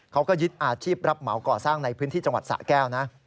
เขาก็ยึดอาชีพรับเหมาก่อสร้างในพื้นที่จังหวัดสะแก้วนะ